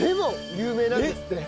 有名なんですって。